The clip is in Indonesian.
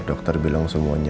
dokter bilang semuanya